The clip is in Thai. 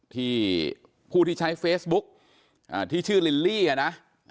ที่ผู้ที่ใช้เฟซบุ๊กที่ชื่อลิลลี่อ่ะนะ